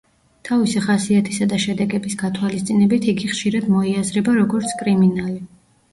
თავისი ხასიათისა და შედეგების გათვალისწინებით, იგი ხშირად მოიაზრება როგორც კრიმინალი.